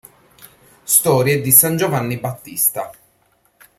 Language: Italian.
Storie di san Giovanni Battista